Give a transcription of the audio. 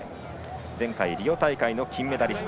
前回リオ大会の金メダリスト。